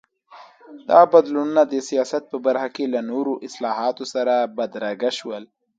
دا بدلونونه د سیاست په برخه کې له نورو اصلاحاتو سره بدرګه شول.